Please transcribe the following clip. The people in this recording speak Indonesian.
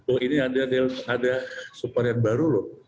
oh ini ada subpar yang baru loh